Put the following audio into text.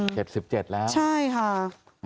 อืม๗๗แล้วใช่ค่ะ